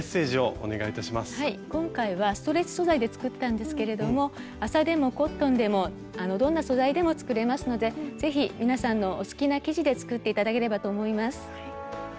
今回はストレッチ素材で作ったんですけれども麻でもコットンでもどんな素材でも作れますので是非皆さんのお好きな生地で作って頂ければと思います。